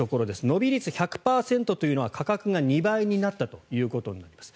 伸び率１００％というのは価格が２倍になったということになります。